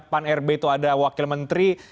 pan rb itu ada wakil menteri